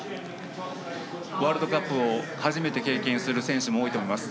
ワールドカップを初めて経験する選手も多いと思います。